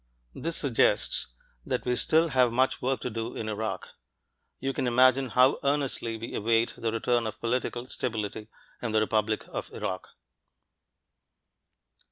This suggests that we still have much work to do in Iraq. You can imagine how earnestly we await the return of political stability in the Republic of Iraq.